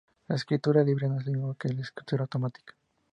La escritura libre no es lo mismo que escritura automática.